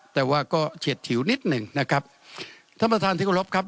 แต่ว่าก็เฉียดฉิวนิดหนึ่งนะครับท่านประธานที่กรบครับ